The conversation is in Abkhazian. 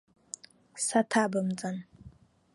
Саҭабымҵан.